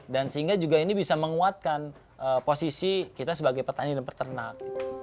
dan sehingga juga ini bisa menguatkan posisi kita sebagai petani dan petanak